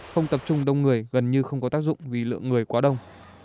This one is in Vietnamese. không tập trung đông người gần như không có tác dụng vì lượng người quá đông